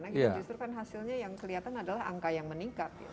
karena justru hasilnya yang kelihatan adalah angka yang meningkat